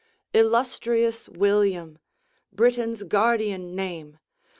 Illustrious William! Britain's guardian name!